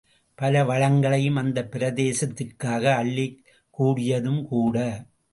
பல வளங்களையும் அந்தப் பிரதேசத்திற்கு அளிக்கக் கூடியதும்கூட.